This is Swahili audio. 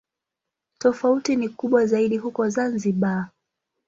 Tofauti ni kubwa zaidi huko Zanzibar.